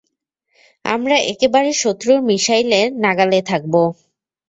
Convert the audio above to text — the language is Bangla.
আমরা একেবারে শত্রুর মিশাইলের নাগালে থাকবো।